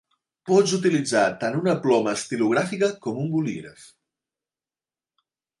Pots utilitzar tant una ploma estilogràfica com un bolígraf.